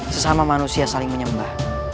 sesama manusia saling menyembah